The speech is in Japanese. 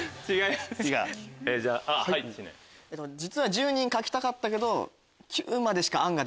実は１０人描きたかったけど。